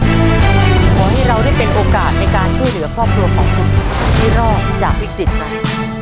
ขอให้เราได้เป็นโอกาสในการช่วยเหลือครอบครัวของคุณให้รอดจากวิกฤตนั้น